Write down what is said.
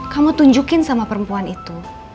kamu tunjukin sama perempuan itu